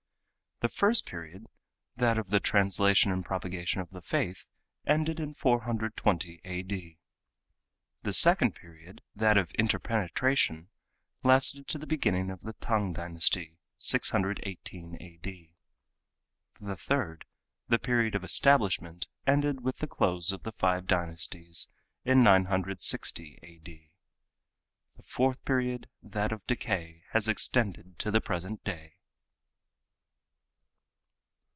The first period, that of the translation and propagation of the faith, ended in 420 A.D. The second period, that of interpenetration, lasted to the beginning of the T'ang dynasty, 618 A.D. The third, the period of establishment, ended with the close of the five dynasties, in 960 A.D. The fourth period, that of decay, has extended to the present day.